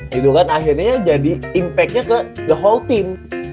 gitu kan akhirnya jadi impact nya ke hall team